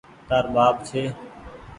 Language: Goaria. تآر ٻآپ ڇي۔